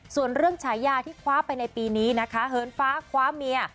ส่วนเรื่องฉายาที่คว้าไปในปีนี้นะคะเหินฟ้าคว้าเมีย